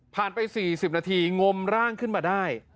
ผ่านไปสี่สิบนาทีงมร่างขึ้นมาได้